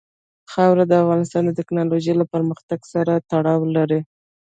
خاوره د افغانستان د تکنالوژۍ له پرمختګ سره تړاو لري.